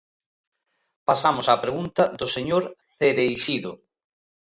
Pasamos á pregunta do señor Cereixido.